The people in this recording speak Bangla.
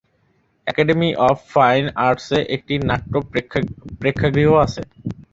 অ্যাকাডেমি অফ ফাইন আর্টসে একটি নাট্য প্রেক্ষাগৃহ আছে।